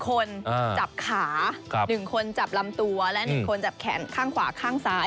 คนจับขา๑คนจับลำตัวและ๑คนจับแขนข้างขวาข้างซ้าย